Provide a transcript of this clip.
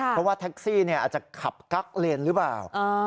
เพราะว่าแท็กซี่อาจจะขับกั๊กเลนหรือเปล่า